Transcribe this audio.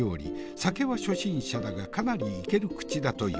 酒は初心者だがかなりイケる口だという。